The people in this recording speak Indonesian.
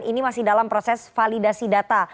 ini masih dalam proses validasi data